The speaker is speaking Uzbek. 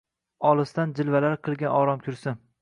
Olisdan jilvalar qilgan oromkursi